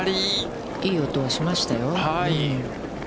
いい音はしましたよ。